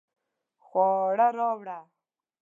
خواړه راوړه